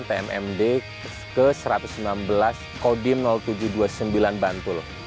pmmd ke satu ratus sembilan belas kodim tujuh ratus dua puluh sembilan bantul